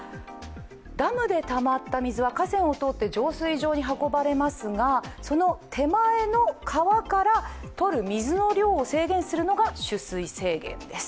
ダムでたまった水は河川を通って、浄水場に運ばれますがその手前の川から取る水の量を制限するのが取水制限です。